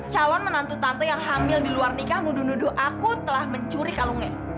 calon menantu tantu yang hamil di luar nikah nuduh nuduh aku telah mencuri kalungnya